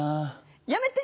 やめて！